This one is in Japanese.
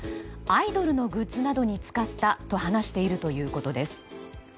アイドルのグッズなどに使ったと話しているということです。